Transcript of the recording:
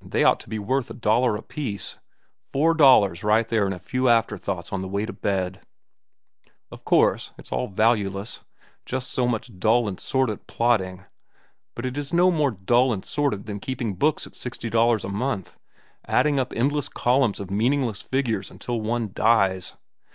They ought to be worth a dollar apiece. Four dollars right there for a few afterthoughts on the way to bed." "Of course it's all valueless, just so much dull and sordid plodding; but it is no more dull and sordid than keeping books at sixty dollars a month, adding up endless columns of meaningless figures until one dies.